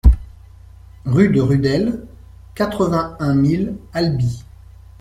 Rue de Rudel, quatre-vingt-un mille Albi